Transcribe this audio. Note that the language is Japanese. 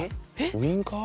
ウィンカー？